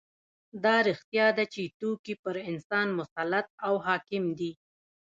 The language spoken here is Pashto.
دا رښتیا ده چې توکي پر انسان مسلط او حاکم دي